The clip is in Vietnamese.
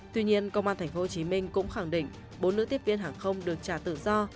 tuy nhiên công an tp hcm cũng khẳng định bốn nữ tiếp viên hàng không được trả tự do